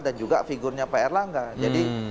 dan juga figurnya pak erlangga jadi